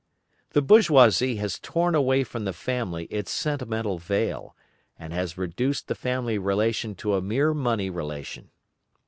The bourgeoisie has torn away from the family its sentimental veil, and has reduced the family relation to a mere money relation.